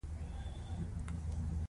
ښکاري د تیرو تجربو نه زده کړه کوي.